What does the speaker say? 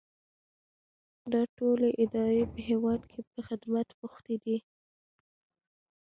دا ټولې ادارې په هیواد کې په خدمت بوختې دي.